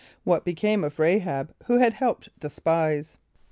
= What became of R[=a]´h[)a]b, who had helped the spies?